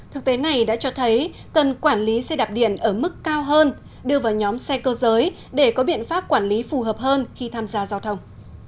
thực tế này đã cho thấy cần quản lý xe đạp điện ở mức cao hơn đưa vào nhóm xe cơ giới để có biện pháp quản lý phù hợp hơn khi tham gia giao thông